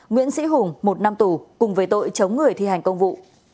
nguyễn sĩ hùng một năm tù cùng với tội chống người thi hành công vụ